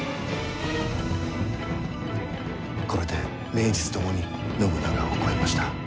これで名実ともに信長を超えました。